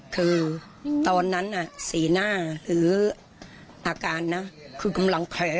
คือตอนนั้นสีหน้าหรืออาการนะคือกำลังแผล